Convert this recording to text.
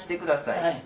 はい。